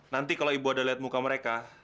nanti kalo ibu ada liat muka mereka